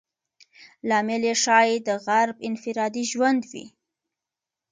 لامل یې ښایي د غرب انفرادي ژوند وي.